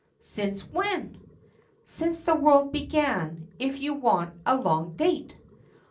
"Since when?" "Since the world began if you want a long date!"